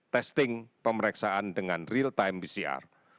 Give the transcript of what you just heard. testing pemeriksaan dengan real time pcr